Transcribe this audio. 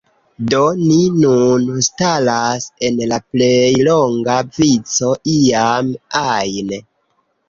Do, ni nun staras en la plej longa vico iam ajn